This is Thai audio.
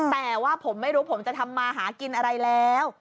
แต่ว่าผมไม่รู้ผมจะทำมาหากินอะไรแล้ว